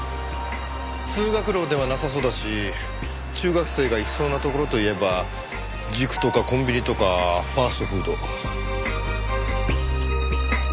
通学路ではなさそうだし中学生が行きそうなところといえば塾とかコンビニとかファストフード。